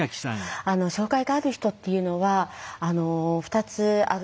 障害がある人っていうのは２つあると思うんです。